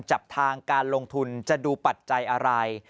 จับทางการลงทุนจะดูปัจจัยอะไร